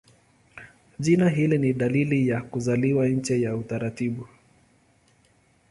Jina hili ni dalili ya kuzaliwa nje ya utaratibu.